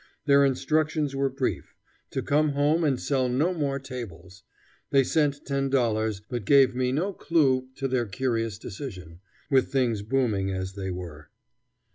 Their instructions were brief: to come home and sell no more tables. They sent $10, but gave me no clew to their curious decision, with things booming as they were.